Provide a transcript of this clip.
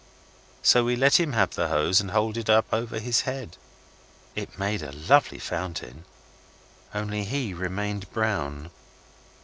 So we let him have the hose and hold it up over his head. It made a lovely fountain, only he remained brown.